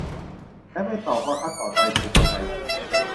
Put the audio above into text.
และไม่ตอบว่าขั้นตอนต่อไปจะเป็นยังไง